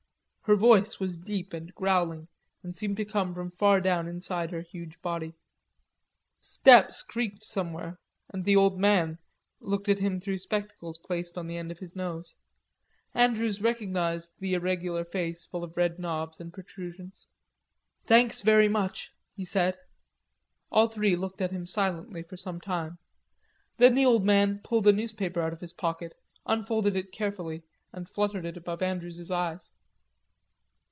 Her voice was deep and growling, and seemed to come from far down inside her huge body. Steps creaked somewhere, and the old man looked at him through spectacles placed on the end of his nose. Andrews recognized the irregular face full of red knobs and protrusions. "Thanks very much," he said. All three looked at him silently for some time. Then the old man pulled a newspaper out of his pocket, unfolded it carefully, and fluttered it above Andrews's eyes.